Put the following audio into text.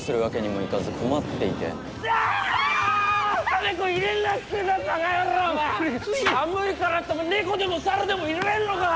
寒いからって猫でも猿でも入れんのか！？